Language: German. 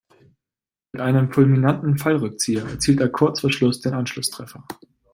Mit einem fulminanten Fallrückzieher erzielt er kurz vor Schluss den Anschlusstreffer.